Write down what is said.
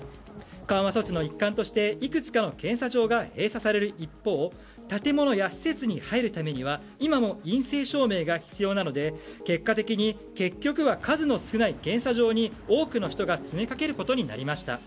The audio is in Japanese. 緩和措置の一環としていくつかの検査場が閉鎖される一方建物や施設に入るためには今も陰性証明が必要なので、結果的に結局は数の少ない検査場に詰めかけることになりました。